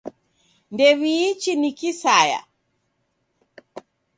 Ndew'iichi ni kisaya.